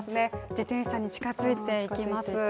自転車に近づいていきます。